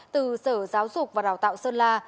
từ sở giáo dục và đào tạo sơn la